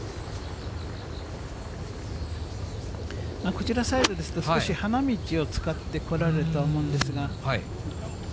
こちらサイドですと、少し花道を使ってこられると思うんですが。